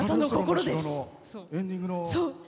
エンディングの。